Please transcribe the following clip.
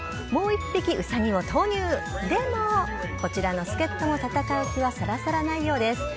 もう１匹、ウサギを投入でも、こちらの助っ人も戦う気はさらさらないようです。